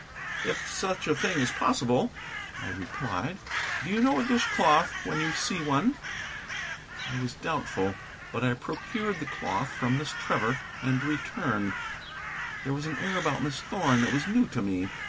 "If such a thing is possible," I replied. "Do you know a dish cloth when you see one?" I was doubtful. But I procured the cloth from Miss Trevor and returned. There was an air about Miss Thorn that was new to me.